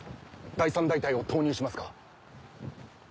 第三大隊を投入しますか？